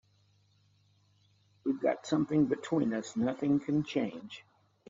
We've got something between us nothing can change.